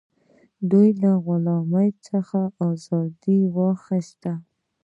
دوی له غلامۍ څخه ازادي واخیسته.